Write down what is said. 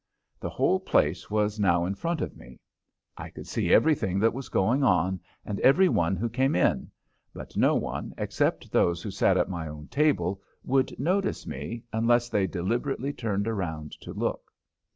The whole place was now in front of me. I could see everything that was going on and every one who came in, but no one, except those who sat at my own table, would notice me unless they deliberately turned around to look.